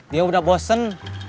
dia udah bosen